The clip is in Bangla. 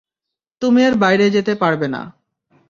তুমি এর বাইরে যেতে পারবে না।